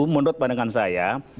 menurut pandangan saya